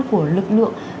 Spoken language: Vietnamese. của lực lượng